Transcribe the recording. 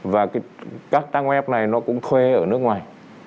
và các trang web này nó cũng thuê ở nước ngoài